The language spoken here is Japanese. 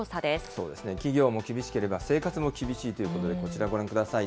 そうですね、企業も厳しければ生活も厳しいということで、こちらご覧ください。